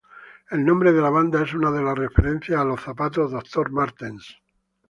El nombre de la banda es una referencia a los zapatos Dr. Martens.